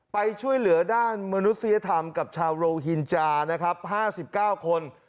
ไปช่วยเหลือด้านมนุษยธรรมกับชาวโรฮินจานะครับ๕๙คน